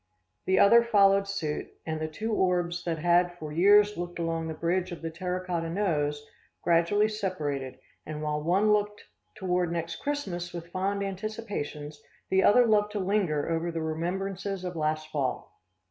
The other followed suit, and the two orbs that had for years looked along the bridge of the terra cotta nose, gradually separated, and while one looked toward next Christmas with fond anticipations, the other loved to linger over the remembrances of last fall.